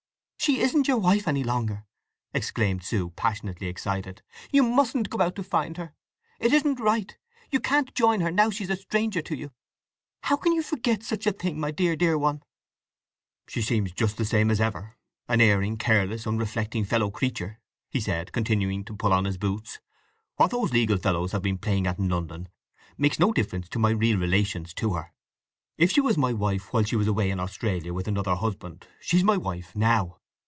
"She isn't your wife any longer!" exclaimed Sue, passionately excited. "You mustn't go out to find her! It isn't right! You can't join her, now she's a stranger to you. How can you forget such a thing, my dear, dear one!" "She seems much the same as ever—an erring, careless, unreflecting fellow creature," he said, continuing to pull on his boots. "What those legal fellows have been playing at in London makes no difference in my real relations to her. If she was my wife while she was away in Australia with another husband, she's my wife now."